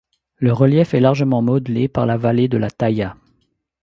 Le relief est largement modelé par la vallée de la Thaya.